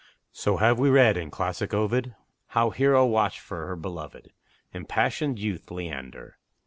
So have we read in classic Ovid, How Hero watched for her belovèd, Impassioned youth, Leander.